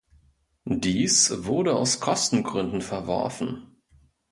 Dies wurde aus Kostengründen verworfen.